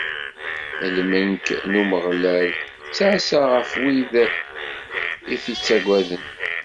Lmelk n Umeɣlal ittɛassa ɣef wid i t-ittaggaden.